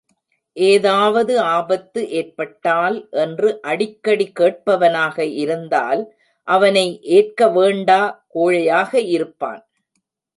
ஏதாவது ஆபத்து ஏற்பட்டால் என்று அடிக்கடி கேட்பவனாக இருந்தால் அவனை ஏற்க வேண்டா கோழையாக இருப்பான்.